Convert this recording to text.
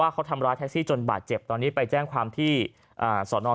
เขาทำร้ายแท็กซี่จนบาดเจ็บตอนนี้ไปแจ้งความที่สอนอ